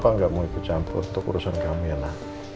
papa gak mau ikut campur untuk urusan kamu ya na